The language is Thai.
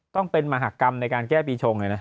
ต้องเป็นมหกรรมในการแก้ปีชงเนี่ยมั้ยนะ